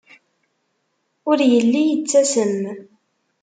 Ur yelli yettasem.